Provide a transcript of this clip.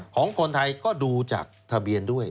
ของคนไทยก็ดูจากทะเบียนด้วย